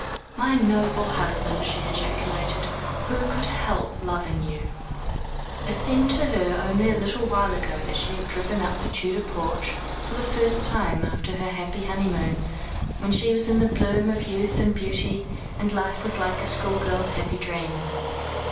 "My noble husband," she ejaculated. "Who could help loving you?" It seemed to her only a little while ago that she had driven up to the Tudor porch for the first time after her happy honeymoon, when she was in the bloom of youth and beauty, and life was like a schoolgirl's happy dream.